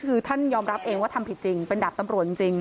คือท่านยอมรับเองว่าทำผิดจริงเป็นดาบตำรวจจริง